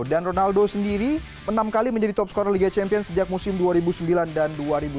dan ronaldo sendiri enam kali menjadi top scorer liga champion sejak musim dua ribu sembilan dan dua ribu sepuluh